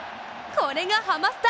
これがハマスタ！